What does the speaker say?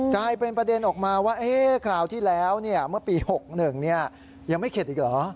กลายเป็นประเด็นออกมาว่าคราวที่แล้วเมื่อปี๖๑ยังไม่เข็ดอีกเหรอ